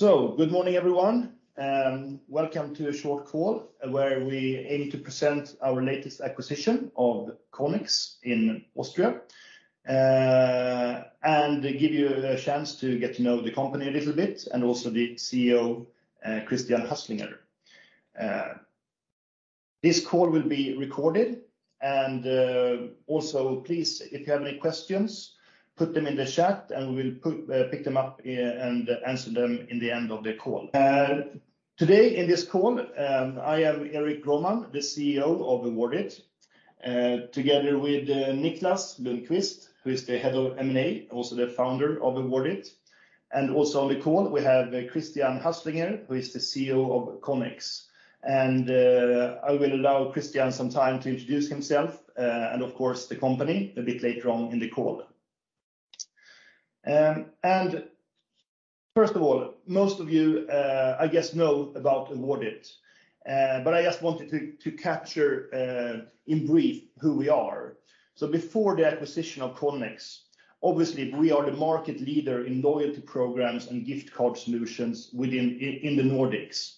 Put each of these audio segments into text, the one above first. Good morning, everyone, and welcome to a short call where we aim to present our latest acquisition of Connex in Austria, and give you a chance to get to know the company a little bit, and also the CEO, Christian Haslinger. This call will be recorded. Also please, if you have any questions, put them in the chat and we'll pick them up and answer them in the end of the call. Today in this call, I am Erik Grohman, the CEO of Awardit, together with Niklas Lundqvist, who is the head of M&A, also the founder of Awardit, and also on the call we have Christian Haslinger, who is the CEO of Connex. I will allow Christian some time to introduce himself, and of course, the company a bit later on in the call. First of all, most of you, I guess, know about Awardit, but I just wanted to capture in brief who we are. Before the acquisition of Connex, obviously we are the market leader in loyalty programs and gift card solutions in the Nordics.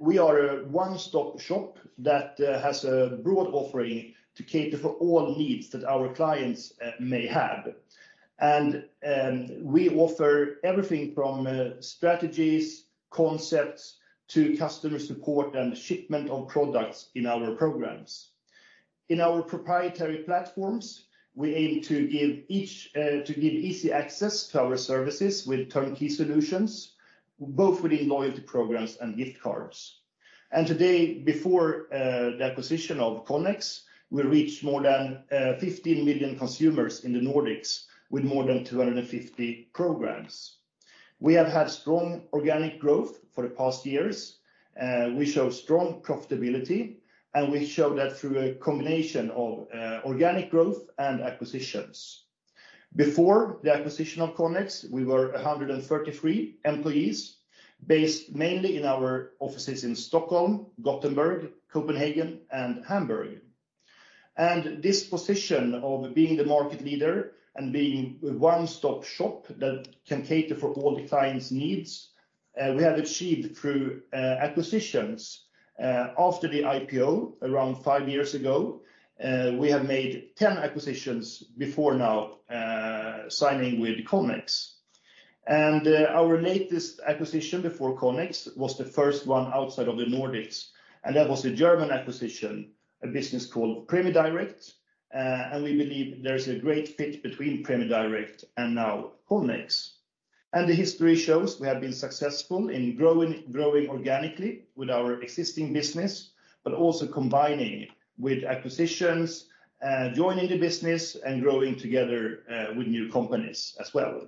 We are a one-stop shop that has a broad offering to cater for all needs that our clients may have. We offer everything from strategies, concepts to customer support and shipment of products in our programs. In our proprietary platforms, we aim to give easy access to our services with turnkey solutions, both within loyalty programs and gift cards. Today, before the acquisition of Connex, we reach more than 15 million consumers in the Nordics with more than 250 programs. We have had strong organic growth for the past years. We show strong profitability, and we show that through a combination of organic growth and acquisitions. Before the acquisition of Connex, we were 133 employees, based mainly in our offices in Stockholm, Gothenburg, Copenhagen and Hamburg. This position of being the market leader and being a one-stop shop that can cater for all the clients' needs, we have achieved through acquisitions. After the IPO around five years ago, we have made 10 acquisitions before now, signing with Connex. Our latest acquisition before Connex was the first one outside of the Nordics, and that was the German acquisition, a business called Prämie Direkt. We believe there is a great fit between Prämie Direkt and now Connex. The history shows we have been successful in growing organically with our existing business, but also combining with acquisitions, joining the business and growing together with new companies as well.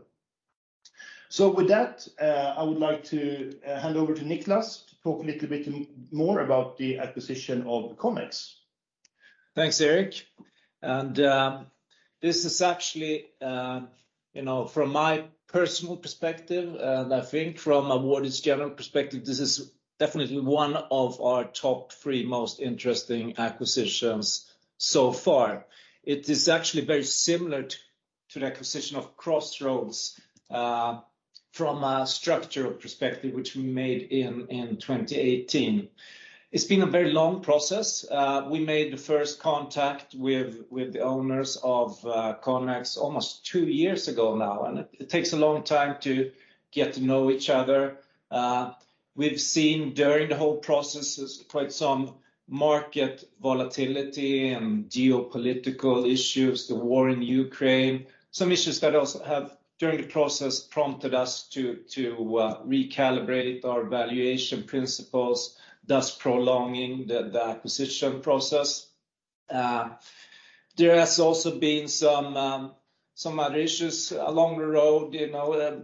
With that, I would like to hand over to Niklas to talk a little bit more about the acquisition of Connex. Thanks, Erik. This is actually, you know, from my personal perspective, and I think from Awardit's general perspective, this is definitely one of our top three most interesting acquisitions so far. It is actually very similar to the acquisition of Crossroads, from a structural perspective, which we made in 2018. It's been a very long process. We made the first contact with the owners of Connex almost two years ago now, it takes a long time to get to know each other. We've seen during the whole process quite some market volatility and geopolitical issues, the war in Ukraine, some issues that also have during the process prompted us to recalibrate our valuation principles, thus prolonging the acquisition process. There has also been some other issues along the road, you know,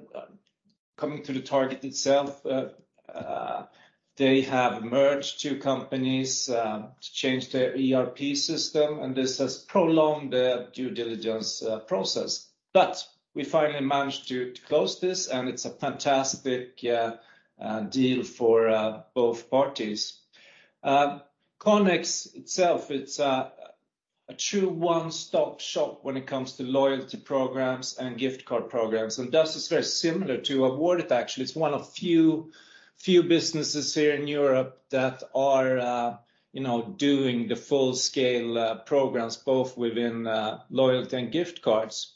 coming to the target itself. They have merged two companies to change their ERP system, and this has prolonged the due diligence process. We finally managed to close this, and it's a fantastic deal for both parties. Connex itself, it's a true one-stop shop when it comes to loyalty programs and gift card programs, and thus is very similar to Awardit, actually. It's one of few businesses here in Europe that are, you know, doing the full scale programs, both within loyalty and gift cards.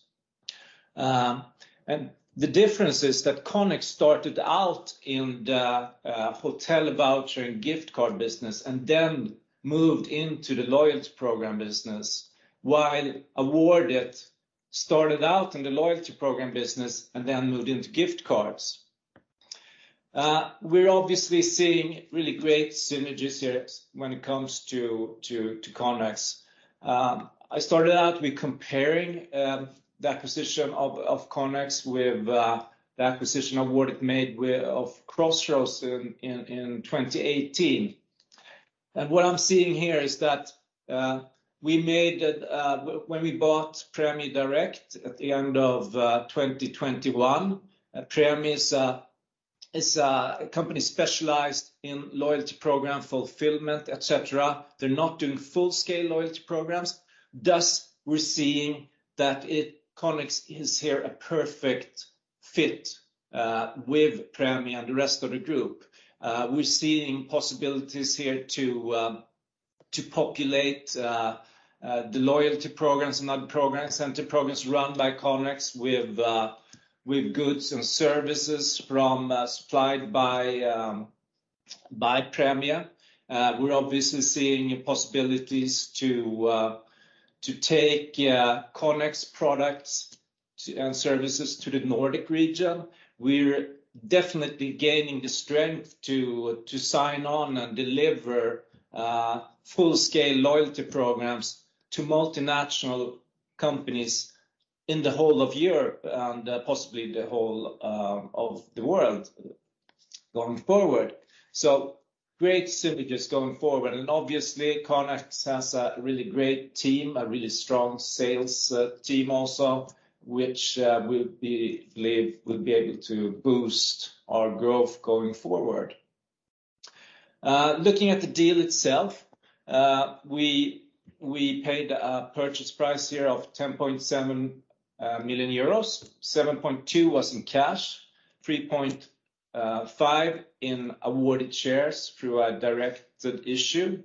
The difference is that Connex started out in the hotel voucher and gift card business and then moved into the loyalty program business, while Awardit started out in the loyalty program business and then moved into gift cards. We're obviously seeing really great synergies here when it comes to Connex. I started out with comparing the acquisition of Connex with the acquisition Awardit made of Crossroads in 2018. What I'm seeing here is that we made when we bought Prämie Direkt at the end of 2021, Prämie is a company specialized in loyalty program fulfillment, etc. They're not doing full scale loyalty programs, thus we're seeing that it Connex is here a perfect fit with Prämie and the rest of the group. We're seeing possibilities here to populate the loyalty programs and other programs, center programs run by Connex with goods and services from supplied by Prämie. We're obviously seeing possibilities to take Connex products to and services to the Nordic region. We're definitely gaining the strength to sign on and deliver full scale loyalty programs to multinational companies in the whole of Europe and possibly the whole of the world going forward. Great synergies going forward. Obviously Connex has a really great team, a really strong sales team also, which believe will be able to boost our growth going forward. Looking at the deal itself, we paid a purchase price here of 10.7 million euros. 7.2 million was in cash, 3.5 million in Awardit shares through a directed issue.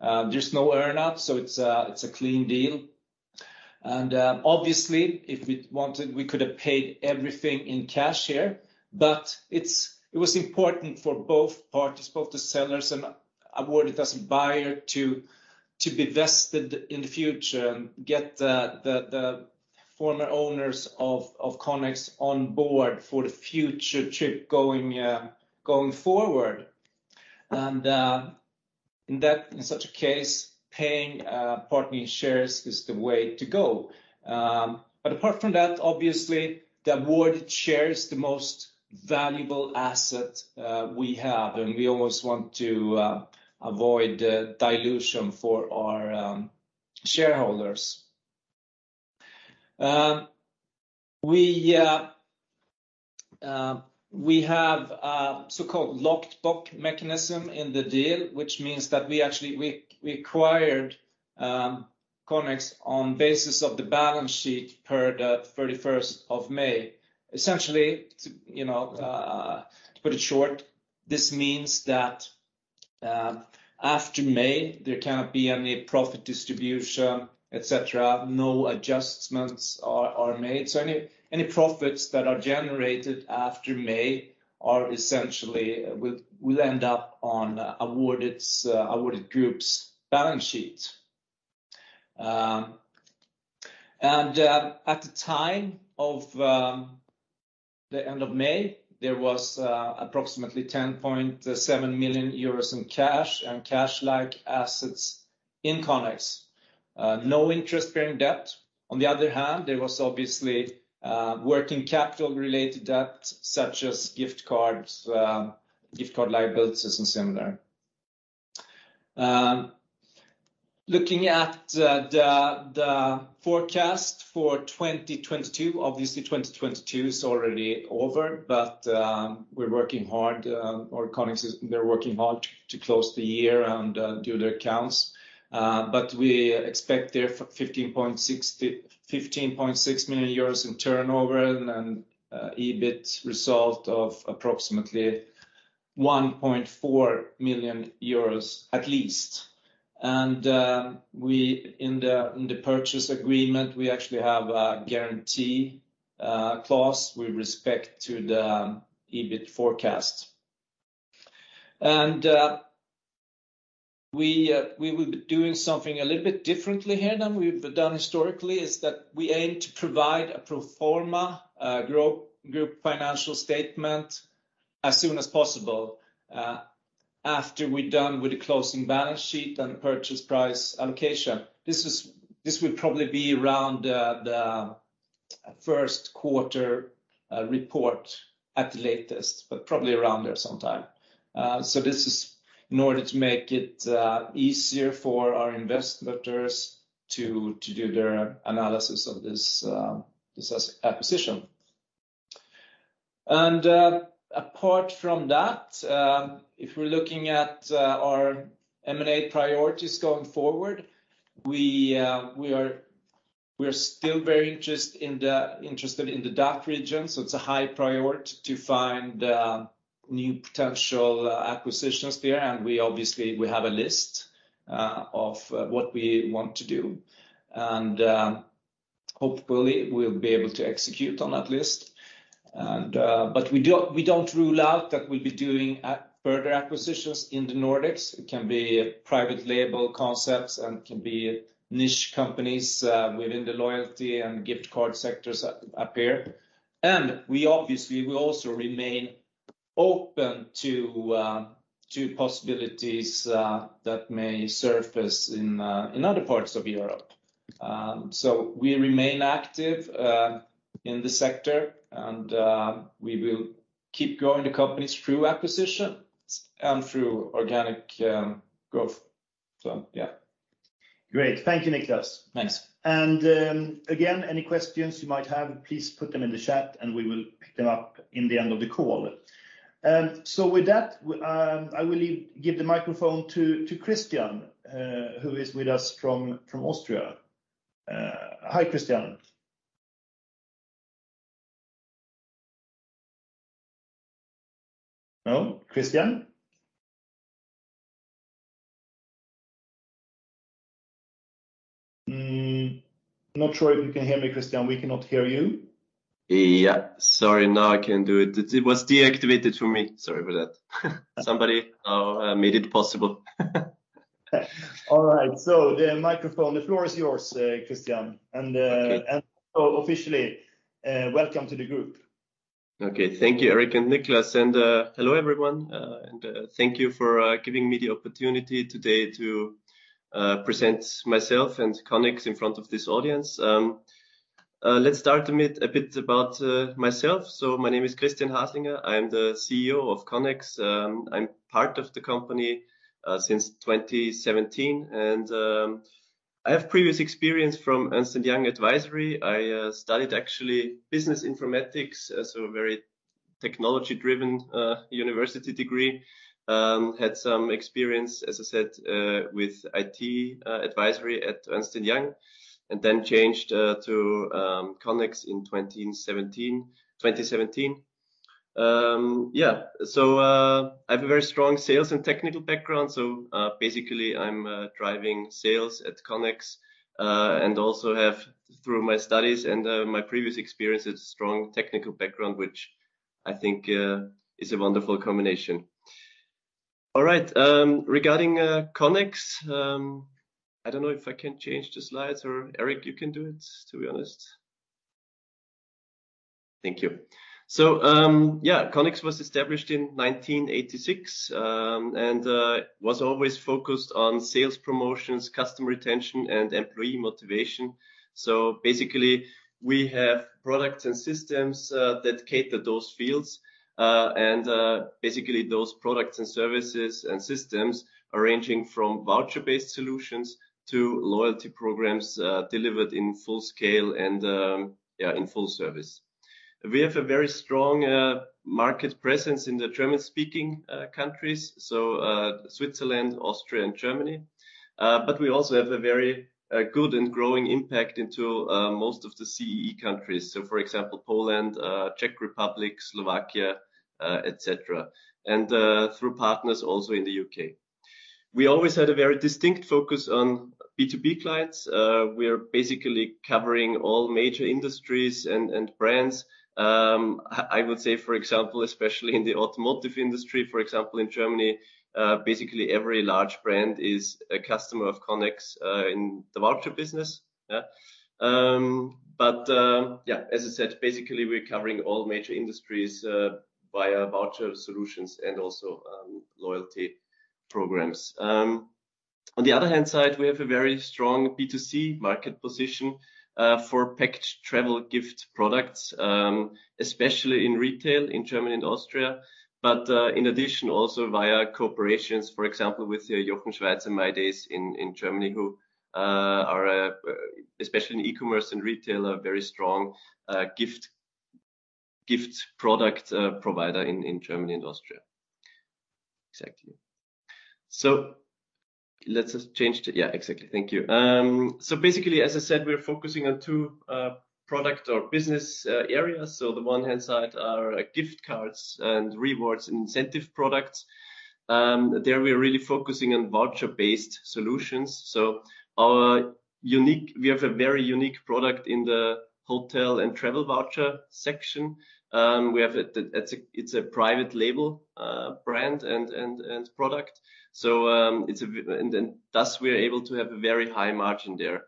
There's no earn out, so it's a clean deal. Obviously if we wanted, we could have paid everything in cash here, but it was important for both parties, both the sellers and Awardit as a buyer to be vested in the future and get the former owners of Connex on board for the future trip going forward. In that, in such a case, paying part in shares is the way to go. Apart from that, obviously the Awardit share is the most valuable asset we have, and we always want to avoid dilution for our shareholders. We have a so-called locked box mechanism in the deal, which means that we actually acquired Connex on basis of the balance sheet per the 31st of May. Essentially, you know, to put it short, this means that after May there cannot be any profit distribution, et cetera. No adjustments are made. Any profits that are generated after May are essentially will end up on Awardit's, Awardit group's balance sheet. At the time of the end of May, there was approximately 10.7 million euros in cash, and cash like assets in Connex. No interest bearing debt. On the other hand, there was obviously working capital related debt such as gift cards, gift card liabilities and similar. Looking at the forecast for 2022, obviously 2022 is already over, we're working hard, or Connex is working hard to close the year and do their accounts. We expect their 15.6 million euros in turnover and EBIT result of approximately EURO 1.4 million at least. We in the purchase agreement, we actually have a guarantee clause with respect to the EBIT forecast. We will be doing something a little bit differently here than we've done historically, is that we aim to provide a pro forma group financial statement as soon as possible after we're done with the closing balance sheet and the purchase price allocation. This will probably be around the Q1 report at the latest, but probably around there sometime. This is in order to make it easier for our investors to do their analysis of this acquisition. Apart from that, if we're looking at our M&A priorities going forward, we are still very interested in the DACH region, so it's a high priority to find new potential acquisitions there. We obviously, we have a list of what we want to do, and hopefully we'll be able to execute on that list. We don't rule out that we'll be doing further acquisitions in the Nordics. It can be private label concepts, and it can be niche companies within the loyalty and gift card sectors up here. We obviously will also remain open to possibilities that may surface in other parts of Europe. We remain active in the sector, and we will keep growing the companies through acquisitions and through organic growth. Yeah. Great. Thank you, Niklas. Thanks. Again, any questions you might have, please put them in the chat and we will pick them up in the end of the call. With that, I will give the microphone to Christian, who is with us from Austria. Hi Christian. Well, Christian. Not sure if you can hear me, Christian. We cannot hear you. Yeah. Sorry. Now I can do it. It was deactivated for me. Sorry about that. Somebody made it possible. All right. The floor is yours, Christian. Okay. Officially, welcome to the group. Okay. Thank you, Erik and Niklas. Hello, everyone. Thank you for giving me the opportunity today to present myself and Connex in front of this audience. Let's start a bit about myself. My name is Christian Haslinger. I'm the CEO of Connex. I'm part of the company since 2017. I have previous experience from Ernst & Young Advisory. I studied actually business informatics, a very technology-driven university degree. Had some experience, as I said, with IT advisory at Ernst & Young, changed to Connex in 2017. I have a very strong sales and technical background. Basically, I'm driving sales at Connex, and also have, through my studies and my previous experiences, strong technical background, which I think is a wonderful combination. All right. Regarding Connex, I don't know if I can change the slides, or Erik, you can do it, to be honest. Thank you. Yeah, Connex was established in 1986, and was always focused on sales promotions, customer retention, and employee motivation. Basically, we have products and systems that cater those fields, and basically those products and services and systems, ranging from voucher-based solutions to loyalty programs, delivered in full scale and, yeah, in full service. We have a very strong market presence in the German-speaking countries, so Switzerland, Austria, and Germany. We also have a very good and growing impact into most of the CEE countries, so for example, Poland, Czech Republic, Slovakia, et cetera, and through partners also in the UK. We always had a very distinct focus on B2B clients. We're basically covering all major industries and brands. I would say, for example, especially in the automotive industry, for example, in Germany, basically every large brand is a customer of Connex in the voucher business. Yeah. As I said, basically, we're covering all major industries via voucher solutions and also loyalty programs. On the other hand side, we have a very strong B2C market position for packed travel gift products, especially in retail in Germany and Austria. In addition, also via cooperations, for example, with Jochen Schweizer and mydays in Germany, who are especially in e-commerce and retail, a very strong gift product provider in Germany and Austria. Exactly. Let's just change to. Yeah, exactly. Thank you. Basically, as I said, we're focusing on two product or business areas. The one hand side are gift cards and rewards incentive products. There we're really focusing on voucher-based solutions. We have a very unique product in the hotel and travel voucher section. It's a, it's a private label brand and product. Thus, we are able to have a very high margin there,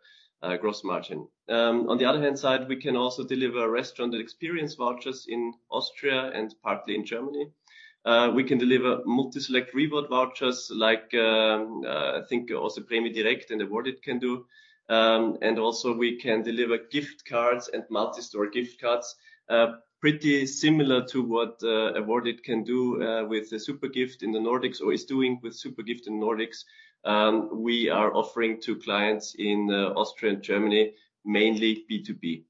gross margin. On the other hand side, we can also deliver restaurant and experience vouchers in Austria and partly in Germany. We can deliver multi-select reward vouchers like I think also Prämie Direkt and Awardit can do. Also we can deliver gift cards and multi-store gift cards pretty similar to what Awardit can do with the Zupergift in the Nordics or is doing with Zupergift in Nordics. We are offering to clients in Austria and Germany, mainly B2B.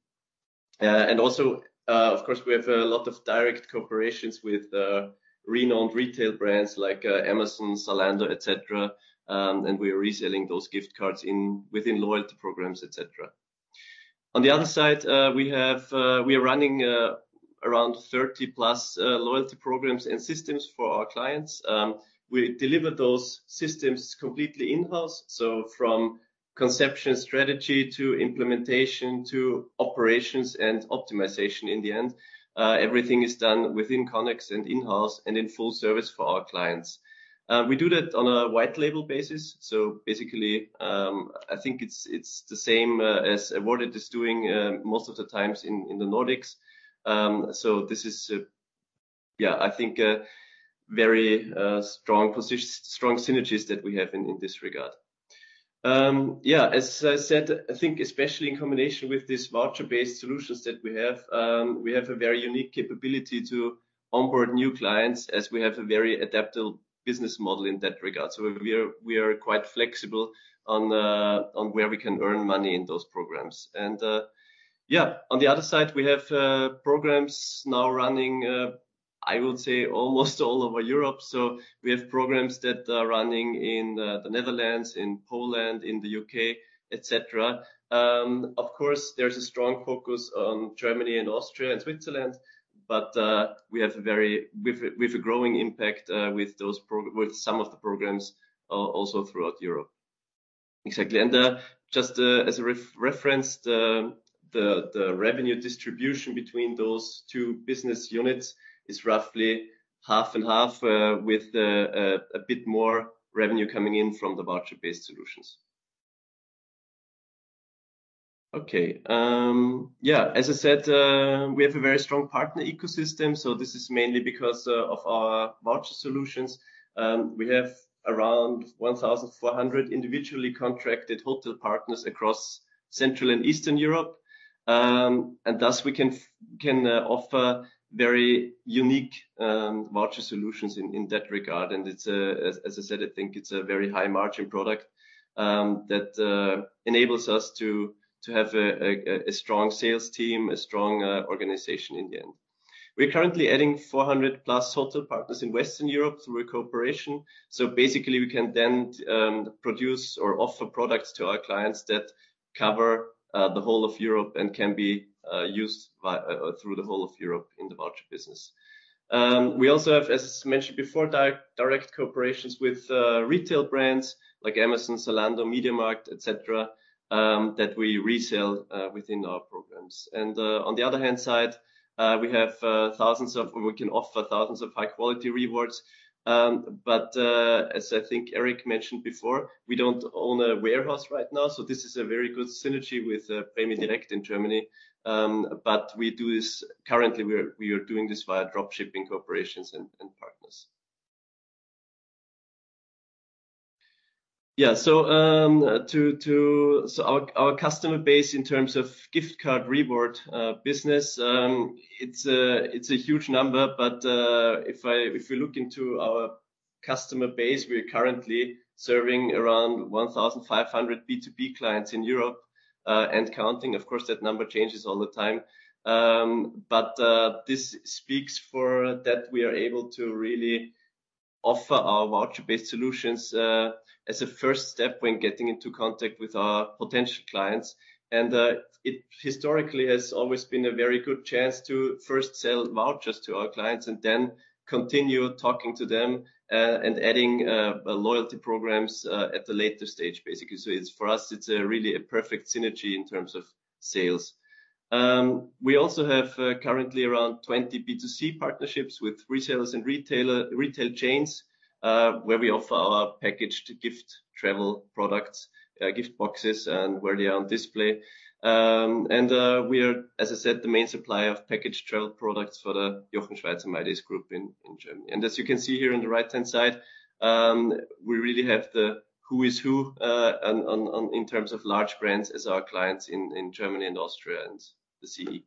Of course, we have a lot of direct cooperations with renowned retail brands like Amazon, Zalando, et cetera. We are reselling those gift cards within loyalty programs, et cetera. On the other side, we are running around 30+ loyalty programs and systems for our clients. We deliver those systems completely in-house, so from conception strategy to implementation to operations and optimization in the end. Everything is done within Connex and in-house and in full service for our clients. We do that on a white label basis, so basically, I think it's the same as Awardit is doing most of the times in the Nordics. So this is, yeah, I think a very strong synergies that we have in this regard. Yeah. As I said, I think especially in combination with these voucher-based solutions that we have, we have a very unique capability to onboard new clients as we have a very adaptable business model in that regard. We are quite flexible on where we can earn money in those programs. On the other side, we have programs now running. I would say almost all over Europe. We have programs that are running in the Netherlands, in Poland, in the UK, et cetera. Of course, there's a strong focus on Germany and Austria and Switzerland, but we have a growing impact with some of the programs also throughout Europe. Exactly. Just as a reference, the revenue distribution between those two business units is roughly half and half, with a bit more revenue coming in from the voucher-based solutions. Okay. As I said, we have a very strong partner ecosystem, this is mainly because of our voucher solutions. We have around 1,400 individually contracted hotel partners across Central and Eastern Europe. And thus we can offer very unique voucher solutions in that regard. As I said, I think it's a very high-margin product that enables us to have a strong sales team, a strong organization in the end. We're currently adding 400+ hotel partners in Western Europe through a cooperation, so basically we can then produce or offer products to our clients that cover the whole of Europe and can be used through the whole of Europe in the voucher business. We also have, as mentioned before, direct cooperations with retail brands like Amazon, Zalando, MediaMarkt, et cetera, that we resell within our programs. On the other hand side, we can offer thousands of high-quality rewards. But as I think Erik mentioned before, we don't own a warehouse right now, so this is a very good synergy with Prämie Direkt in Germany. But currently, we are doing this via drop shipping cooperations and partners. Our customer base in terms of gift card reward business, it's a huge number. If we look into our customer base, we're currently serving around 1,500 B2B clients in Europe and counting. Of course, that number changes all the time. This speaks for that we are able to really offer our voucher-based solutions as a first step when getting into contact with our potential clients. It historically has always been a very good chance to first sell vouchers to our clients and then continue talking to them and adding loyalty programs at the later stage, basically. For us, it's really a perfect synergy in terms of sales. We also have currently around 20 B2C partnerships with retailers and retail chains, where we offer our packaged gift travel products, gift boxes, and where they are on display. We are, as I said, the main supplier of packaged travel products for the Jochen Schweizer mydays Group in Germany. As you can see here on the right-hand side, we really have the who is who on in terms of large brands as our clients in Germany and Austria and the CEE.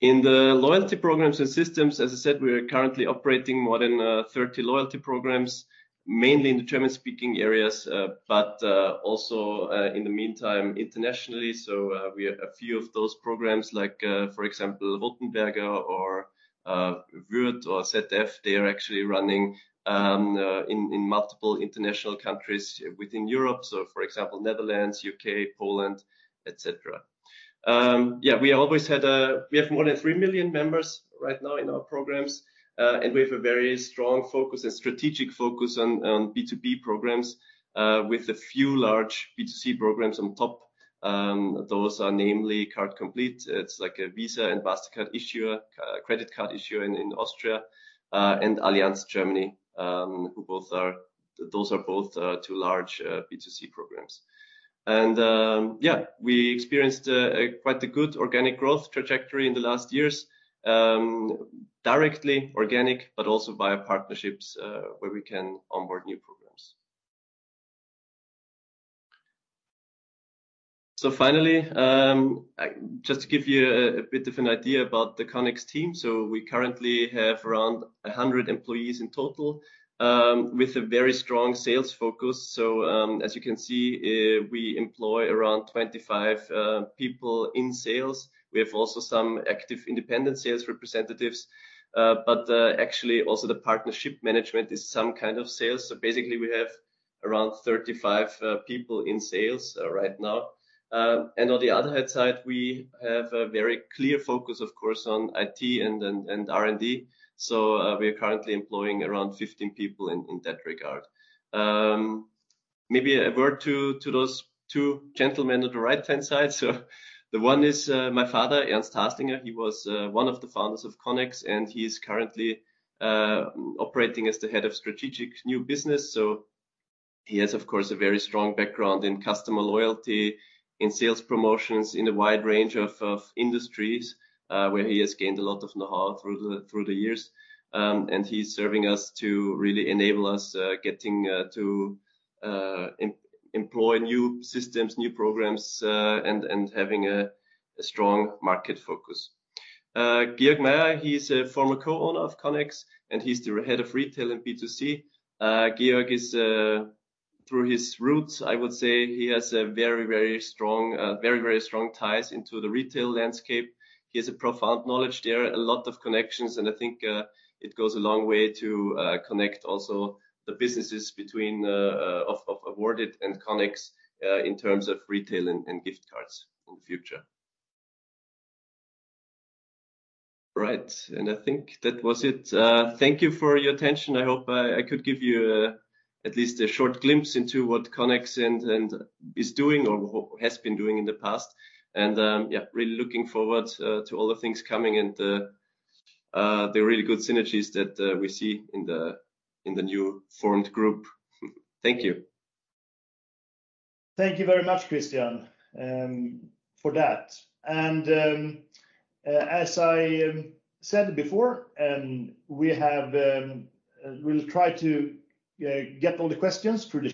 In the loyalty programs and systems, as I said, we are currently operating more than 30 loyalty programs, mainly in the German-speaking areas, but also in the meantime, internationally. We have a few of those programs like, for example, Wolkenberger or Würth or ZF. They are actually running in multiple international countries within Europe. For example, Netherlands, UK, Poland, et cetera. We always had. We have more than 3 million members right now in our programs, and we have a very strong focus and strategic focus on B2B programs, with a few large B2C programs on top. Those are namely Card complete. It's like a Visa and Mastercard issuer, credit card issuer in Austria, and Allianz Germany. Those are both two large B2C programs. We experienced quite a good organic growth trajectory in the last years, directly organic, but also via partnerships, where we can onboard new programs. Finally, just to give you a bit of an idea about the Connex team. We currently have around 100 employees in total, with a very strong sales focus. As you can see, we employ around 25 people in sales. We have also some active independent sales representatives, but actually also the partnership management is some kind of sales. Basically we have around 35 people in sales right now. On the other hand side, we have a very clear focus, of course, on IT and R&D. We are currently employing around 15 people in that regard. Maybe a word to those two gentlemen on the right-hand side. The one is my father, Ernst Haslinger. He was one of the founders of Connex, and he's currently operating as the head of strategic new business. He has, of course, a very strong background in customer loyalty, in sales promotions in a wide range of industries, where he has gained a lot of know-how through the years. He's serving us to really enable us getting to employ new systems, new programs, and having a strong market focus. Georg Maier, he's a former co-owner of Connex, and he's the head of retail and B2C. Georg is Through his roots, I would say he has a very strong, very strong ties into the retail landscape. He has a profound knowledge there, a lot of connections, and I think it goes a long way to connect also the businesses between of Awardit and Connex in terms of retail and gift cards in the future. Right. I think that was it. Thank you for your attention. I hope I could give you at least a short glimpse into what Connex is doing or has been doing in the past. Yeah, really looking forward to all the things coming and the really good synergies that we see in the new formed group. Thank you. Thank you very much, Christian, for that. As I said before, we'll try to get all the questions through.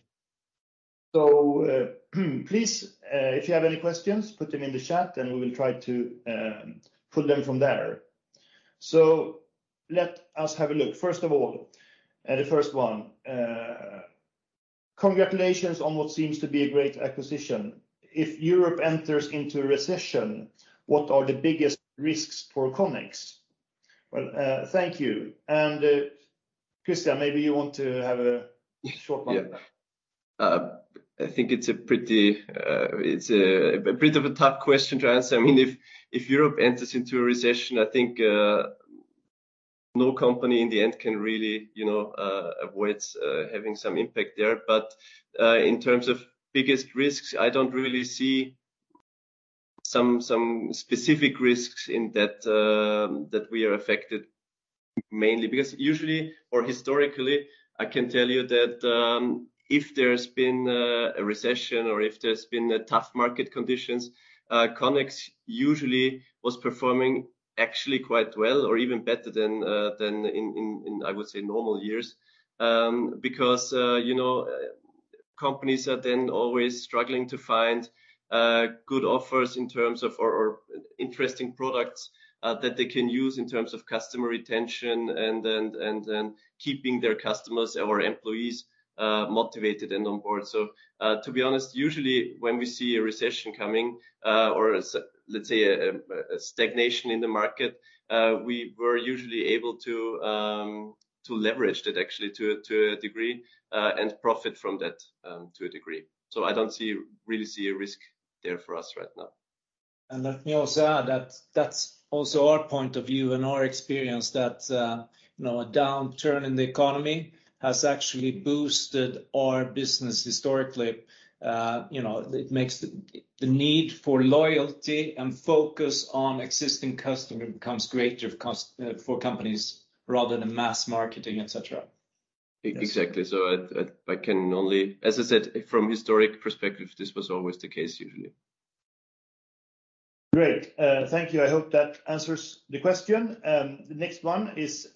Please, if you have any questions, put them in the chat, and we will try to pull them from there. Let us have a look. First of all, the first one. Congratulations on what seems to be a great acquisition. If Europe enters into a recession, what are the biggest risks for Connex? Thank you. Christian, maybe you want to have a short one on that. Yeah. I think it's a pretty, it's a bit of a tough question to answer. I mean, if Europe enters into a recession, I think no company in the end can really, you know, avoid having some impact there. In terms of biggest risks, I don't really see some specific risks in that that we are affected mainly. Usually, or historically, I can tell you that if there's been a recession or if there's been a tough market conditions, Connex usually was performing actually quite well or even better than in, I would say, normal years. Because, you know, companies are then always struggling to find good offers in terms of or interesting products that they can use in terms of customer retention and keeping their customers or employees motivated and on board. To be honest, usually when we see a recession coming, or let's say a stagnation in the market, we were usually able to leverage that actually to a degree and profit from that to a degree. I don't really see a risk there for us right now. Let me also add that that's also our point of view and our experience that, you know, a downturn in the economy has actually boosted our business historically. You know, it makes the need for loyalty and focus on existing customer becomes greater for companies rather than mass marketing, etcetera. Exactly. I can only. As I said, from historic perspective, this was always the case usually. Great. Thank you. I hope that answers the question. The next one is,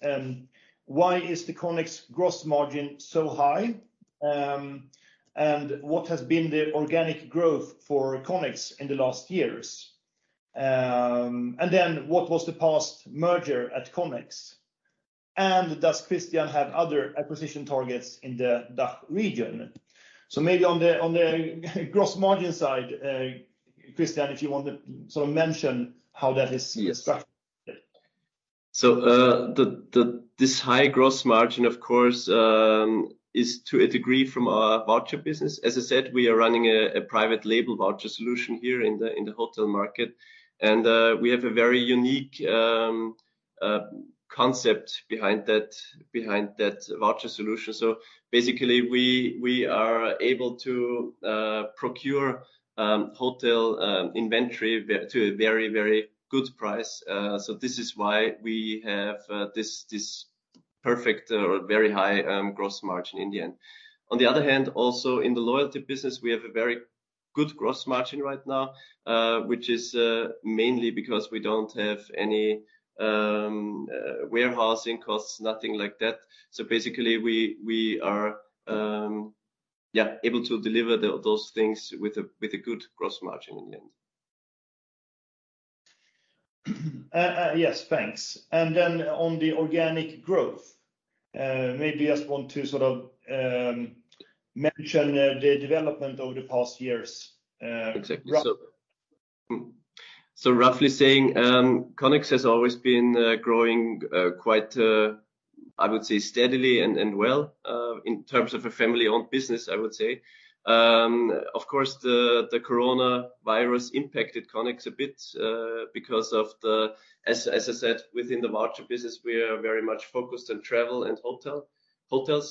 why is the Connex gross margin so high? What has been the organic growth for Connex in the last years? What was the past merger at Connex? Does Christian have other acquisition targets in the DACH region? Maybe on the, on the gross margin side, Christian, if you want to sort of mention how that is structured. Yes. This high gross margin, of course, is to a degree from our voucher business. As I said, we are running a private label voucher solution here in the hotel market, and we have a very unique concept behind that voucher solution. Basically, we are able to procure hotel inventory to a very good price. This is why we have this perfect or very high gross margin in the end. On the other hand, also in the loyalty business, we have a very good gross margin right now, which is mainly because we don't have any warehousing costs, nothing like that. Basically, we are, yeah, able to deliver those things with a good gross margin in the end. Yes. Thanks. On the organic growth, maybe just want to sort of mention the development over the past years, roughly. Exactly. Roughly saying, Connex has always been growing quite, I would say, steadily and well, in terms of a family-owned business, I would say. Of course, the coronavirus impacted Connex a bit because I said, within the voucher business, we are very much focused on travel and hotels, hotel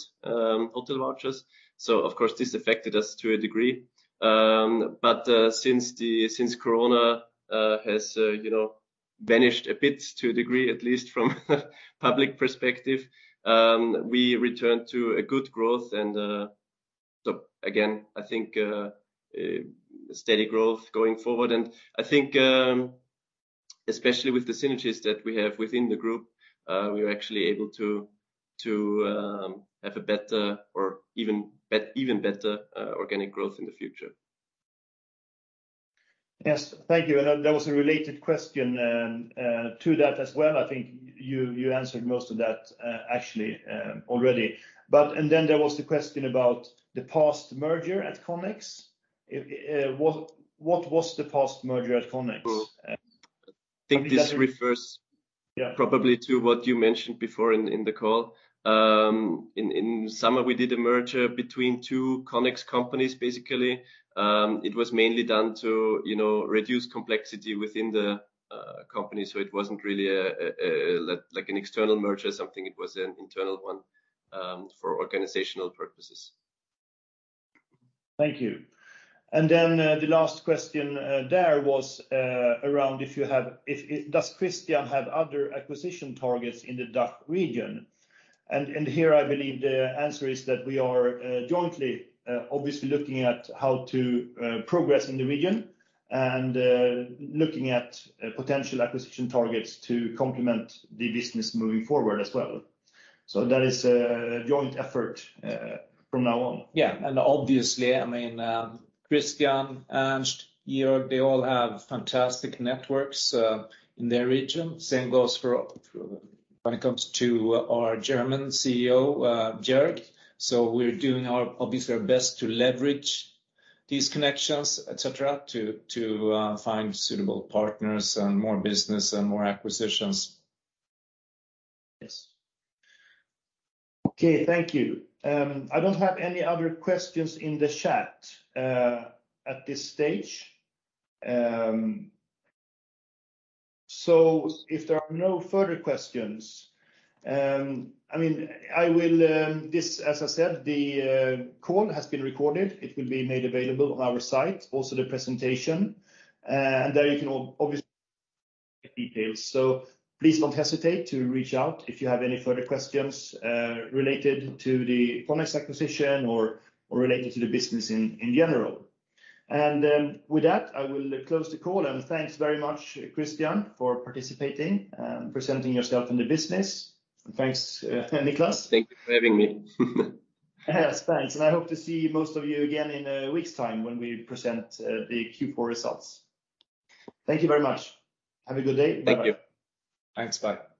vouchers. Of course, this affected us to a degree. Since corona has, you know, vanished a bit to a degree, at least from public perspective, we returned to a good growth. Again, I think steady growth going forward. I think, especially with the synergies that we have within the group, we are actually able to, have a better or even better, organic growth in the future. Yes. Thank you. That was a related question to that as well. I think you answered most of that actually already. Then there was the question about the past merger at Connex. What was the past merger at Connex? I think this. Yeah Probably to what you mentioned before in the call. In, in summer, we did a merger between two Connex companies, basically. It was mainly done to, you know, reduce complexity within the company. It wasn't really a like an external merger or something. It was an internal one, for organizational purposes. Thank you. The last question, there was around Does Christian have other acquisition targets in the DACH region? Here I believe the answer is that we are jointly, obviously looking at how to progress in the region and looking at potential acquisition targets to complement the business moving forward as well. That is a joint effort, from now on. Obviously, I mean, Christian, Ernst, Jörg, they all have fantastic networks in their region. Same goes for when it comes to our German CEO, Jörg. We're doing obviously our best to leverage these connections, et cetera, to find suitable partners and more business and more acquisitions. Yes. Okay. Thank you. I don't have any other questions in the chat at this stage. If there are no further questions, I mean, I will As I said, the call has been recorded. It will be made available on our site, also the presentation. There you can obviously details. Please don't hesitate to reach out if you have any further questions related to the Connex acquisition or related to the business in general. With that, I will close the call. Thanks very much, Christian, for participating, presenting yourself in the business. Thanks, Niklas. Thank you for having me. Yes, thanks. I hope to see most of you again in a week's time when we present the Q4 results. Thank you very much. Have a good day. Bye-bye. Thank you. Thanks. Bye.